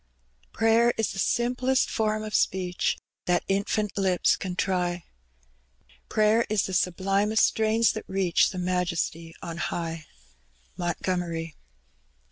Prayer is the simplest form of speech That infant lips can try; Prayer the sublimest strains that reach The Majesty on high MONTOOMERT.